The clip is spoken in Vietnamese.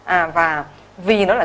à và vì nó là ngã ba hầu họng